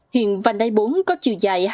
hiện vành đai bốn có chiều dài